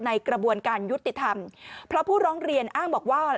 กระบวนการยุติธรรมเพราะผู้ร้องเรียนอ้างบอกว่า